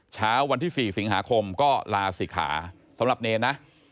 เช้าวันที่๔สิงหาคมก็ลาศิกขาสำหรับเนรนะ